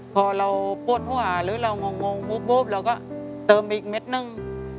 พอเราปวดหัวหรือเรางงปุ๊บเราก็เติมไปอีกเม็ดนึง